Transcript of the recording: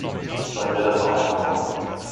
Sollen wir das noch einmal kochen?